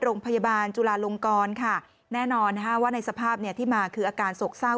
โรงพยาบาลจุลาลงกรค่ะแน่นอนว่าในสภาพเนี่ยที่มาคืออาการโศกเศร้า